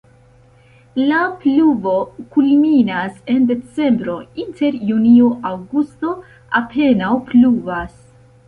La pluvo kulminas en decembro, inter junio-aŭgusto apenaŭ pluvas.